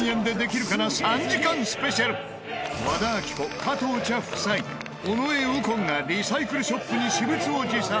和田アキ子加藤茶夫妻尾上右近がリサイクルショップに私物を持参。